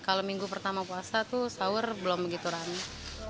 kalau minggu pertama puasa tuh sahur belum begitu rame